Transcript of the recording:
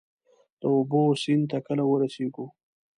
د اوبو، سیند ته کله ورسیږو؟